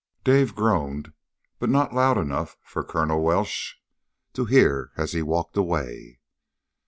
Dave groaned, but not loud enough for Colonel Welsh to hear as he walked away.